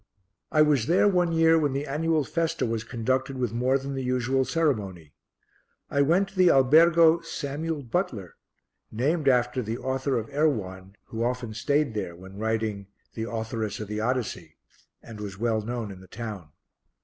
I was there one year when the annual festa was conducted with more than the usual ceremony. I went to the Albergo Samuel Butler, named after the author of Erewhon, who often stayed there when writing The Authoress of the Odyssey, and was well known in the town.